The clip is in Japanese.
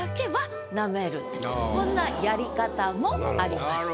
こんなやり方もあります。